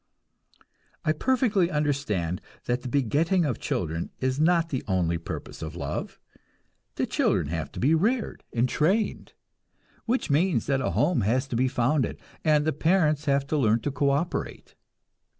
I perfectly understand that the begetting of children is not the only purpose of love. The children have to be reared and trained, which means that a home has to be founded, and the parents have to learn to co operate.